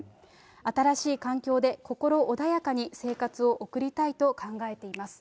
新しい環境で心穏やかに生活を送りたいと考えています。